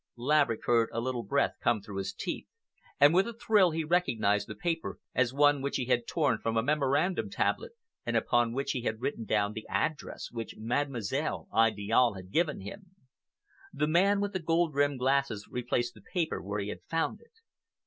Laverick heard a little breath come though his teeth, and with a thrill he recognized the paper as one which he had torn from a memorandum tablet and upon which he had written down the address which Mademoiselle Idiale had given him. The man with the gold rimmed glasses replaced the paper where he had found it.